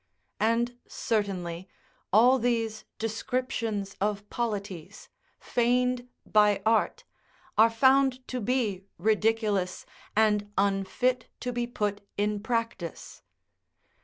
And certainly, all these descriptions of polities, feigned by art, are found to be ridiculous and unfit to be put in practice.